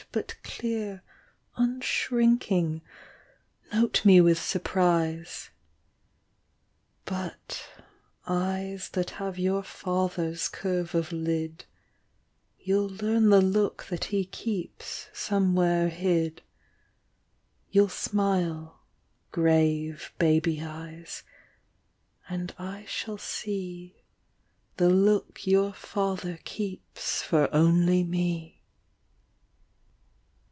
But clear, unshrinking, note me with surprise. But, eyes that have your father's curve of lid, Youll learn the look that he keeps somewhere hid : You'll smile, grave baby eyes, and I shall see The look your father keeps for only me.